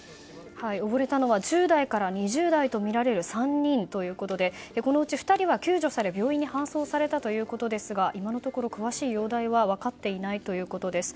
溺れたのは１０代から２０代とみられる３人ということでこのうち２人が救助され病院に搬送されたということですが今のところ詳しい容体は分かっていないということです。